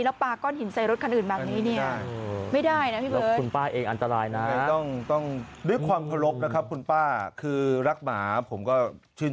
แล้วปลาก้อนหินใส่รถคันอื่นแบบนี้เนี่ย